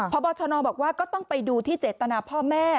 พบชนบอกว่าก็ต้องไปดูที่เจตนาพ่อแม่